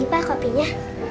ini pak kopinya